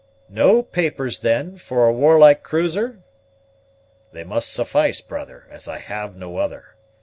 "No papers, then, for a warlike cruiser?" "They must suffice, brother, as I have no other.